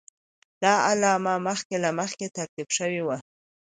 دا اعلامیه مخکې له مخکې ترتیب شوې وه.